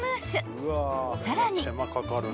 ［さらに］